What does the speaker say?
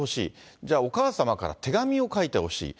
じゃあ、お母様から手紙を書いてほしい。